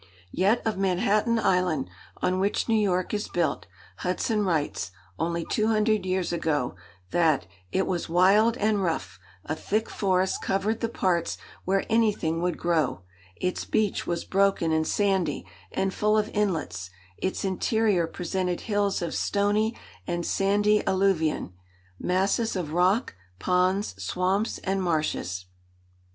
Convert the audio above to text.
Yet of Manhattan Island, on which New York is built, Hudson writes, only two hundred years ago, that "it was wild and rough; a thick forest covered the parts where anything would grow; its beach was broken and sandy, and full of inlets; its interior presented hills of stony and sandy alluvion, masses of rock, ponds, swamps, and marshes."